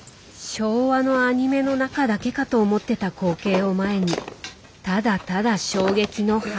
昭和のアニメの中だけかと思ってた光景を前にただただ衝撃の花。